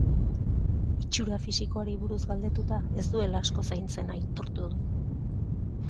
Itxura fisikoari buruz galdetuta, ez duela asko zaintzen aitortu du.